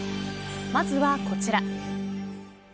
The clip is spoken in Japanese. まずはこちら。